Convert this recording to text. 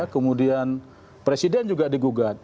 kemudian presiden juga digugat